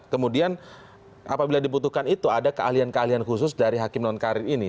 kemudian apabila dibutuhkan itu ada keahlian keahlian khusus dari hakim non karir ini